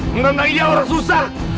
menentang iya orang susah